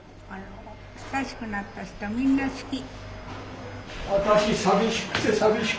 親しくなった人みんな好き。